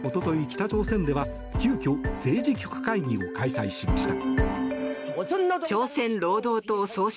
北朝鮮では急きょ政治局会議を開催しました。